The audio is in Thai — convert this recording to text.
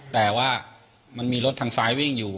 แต่ว่ามันมีรถทางซ้ายวิ่งอยู่